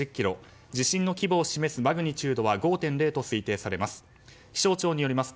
地震の規模を示すマグニチュード５．０と推定されます。